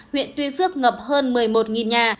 huyện tuy phước ngập hơn một mươi một nhà